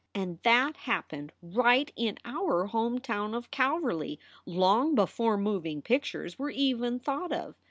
"And that happened right in our home town of Calverly long before moving pictures were even thought of.